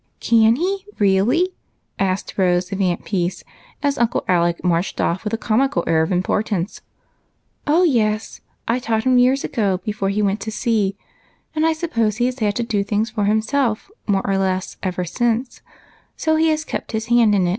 " Can he, really ?" asked Rose of Aunt Peace, as Uncle Alec marched off with a comical air of impor tance. " Oh, yes, I taught him years ago, before he went to sea; and I suppose he has had to do things for himself, more or less, ever since ; so he has kept his hand in."